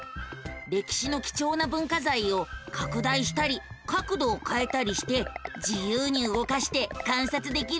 歴史の貴重な文化財を拡大したり角度をかえたりして自由に動かして観察できるのさ。